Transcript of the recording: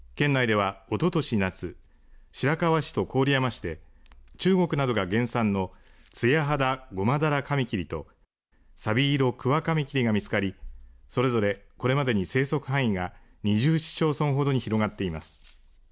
県内ではおととし夏白河市と郡山市で中国などが原産のツヤハダゴマダラカミキリとサビイロクワカミキリが見つかりそれぞれこれまでに生息範囲が２０市町村ほどに広がっています。